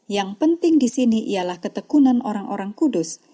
yang penting di sini ialah ketekunan orang orang kudus